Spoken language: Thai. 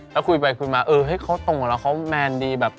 แล้วคุยไปคุยมาเออเฮ้ยเขาตรงกับแล้วเขาแมนดีแบบ